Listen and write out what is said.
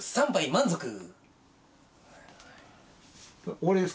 ３杯満足！